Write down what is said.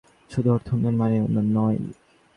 শুধু অর্থনৈতিক উন্নয়ন মানেই উন্নয়ন নয়।